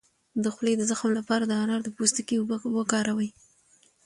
د خولې د زخم لپاره د انار د پوستکي اوبه وکاروئ